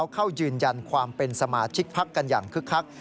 เข้ายืนยันความเป็นสมาชิกพักกันอย่างคึกคัก